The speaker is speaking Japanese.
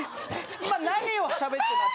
今何をしゃべってんの？